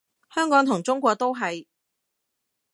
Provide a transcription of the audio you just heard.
香港同中國都係